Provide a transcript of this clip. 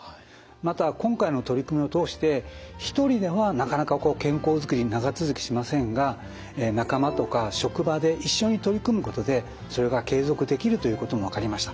また今回の取り組みを通して一人ではなかなか健康づくり長続きしませんが仲間とか職場で一緒に取り組むことでそれが継続できるということも分かりました。